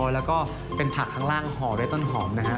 แล้วก็เป็นผักข้างล่างห่อด้วยต้นหอมนะฮะ